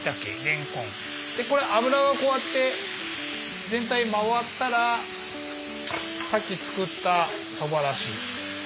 でこれ油はこうやって全体回ったらさっき作ったそばだし。